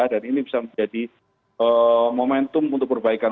dan ini bisa menjadi momentum untuk perbaikan